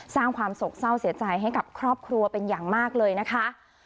สร้างความสกเศร้าเสียใจให้กับครอบครัวเป็นอย่างมากเลยนะคะ